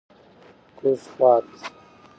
کوز خوات: